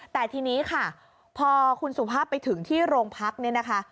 แต่ทีนี้ค่ะพอคุณสุภาพไปถึงที่โรงพักษณ์